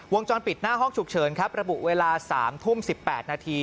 วงจรปิดหน้าห้องฉุกเฉินครับระบุเวลา๓ทุ่ม๑๘นาที